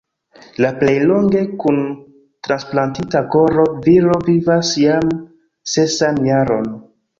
La plej longe kun transplantita koro viro vivas jam sesan jaron.